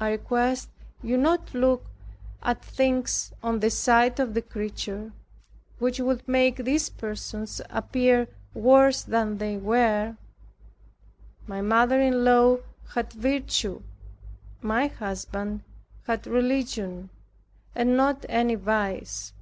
I request you not to look at things on the side of the creature, which would make these persons appear worse than they were. My mother in law had virtue, my husband had religion, and not any vice.